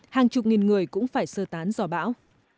hàng chục nghìn người cũng phải sơ tán do bão